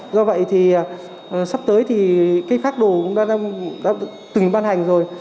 do vậy thì sắp tới phát đồ đã từng ban hành rồi